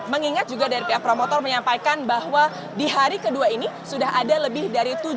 mengingat juga dari pihak promotor menyampaikan bahwa di hari kedua ini sudah ada lebih dari tujuh